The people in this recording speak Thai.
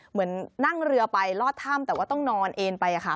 เหมือนนั่งเรือไปลอดถ้ำแต่ว่าต้องนอนเอ็นไปค่ะ